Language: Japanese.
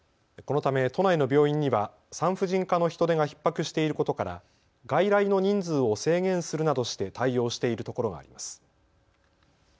このため都内の病院には産婦人科の人手がひっ迫していることから外来の人数を制限するなどして対応しているところがあります。